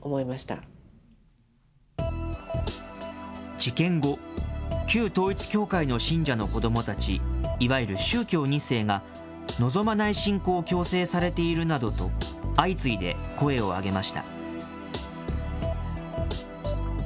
事件後、旧統一教会の信者の子どもたち、いわゆる宗教２世が、望まない信仰を強制されているなどと、相次いで声を上げました。